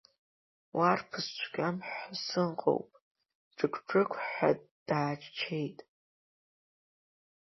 Уарԥыс цәгьам ҳәа сыҟоуп, џықә-џықәҳәа дааччеит.